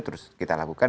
terus kita lakukan